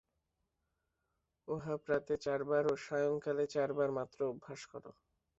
উহা প্রাতে চার বার ও সায়ংকালে চার বার মাত্র অভ্যাস কর।